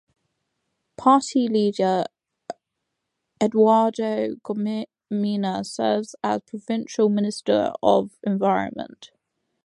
Party leader Eduardo Gomina serves as provincial Minister of Environment.